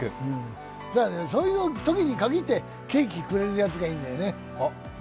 そういうときに限ってケーキくれるやつがいるんだよね。